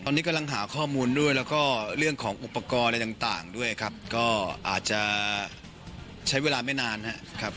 ตอนนี้กำลังหาข้อมูลด้วยแล้วก็เรื่องของอุปกรณ์อะไรต่างด้วยครับก็อาจจะใช้เวลาไม่นานนะครับ